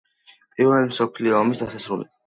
პირველი მსოფლიო ომის დასასრული.